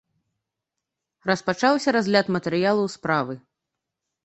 Распачаўся разгляд матэрыялаў справы.